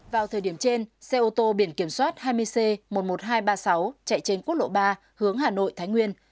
vào thời điểm trên xe ô tô biển kiểm soát hai mươi c một mươi một nghìn hai trăm ba mươi sáu chạy trên quốc lộ ba hướng hà nội thái nguyên